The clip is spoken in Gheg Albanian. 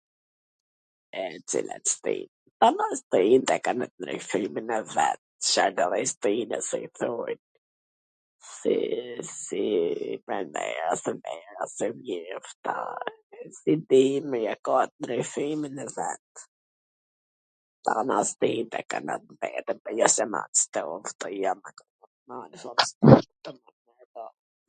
E, cilat stin? A mo stint e kan at ndryshimin e vet, shef Cdo lloj stine, si thuhet, si si pranvera, si vera, si vjeshta, si dimri, e kan at ndryshimin e vet, t tana stint e kan at t vetwn, po jo se ...